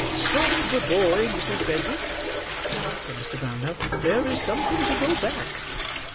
"Stop the boy, Mrs. Bedwin!" said Mr. Brownlow; "there is something to go back."